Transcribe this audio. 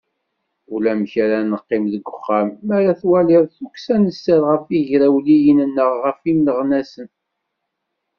"Ulamek ara neqqim deg uxxam, mi ara twaliḍ, tukksa n sser ɣef yigrawliwen neɣ ɣef yimeɣnasen."